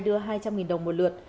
đưa hai trăm linh đồng một lượt